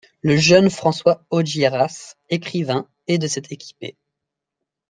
Le jeune François Augiéras, écrivain, est de cette équipée.